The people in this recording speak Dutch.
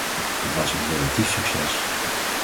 Het was een relatief succes.